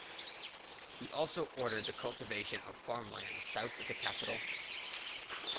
He also ordered the cultivation of farmlands south of the capital.